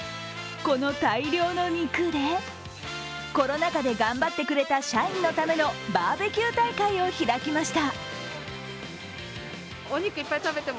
この大量の肉でコロナ禍で頑張ってくれた社員のためのバーベキュー大会を開きました。